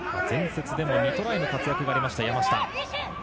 前節でも２トライの活躍がありました山下。